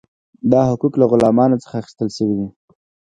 دا حقوق له غلامانو څخه اخیستل شوي وو.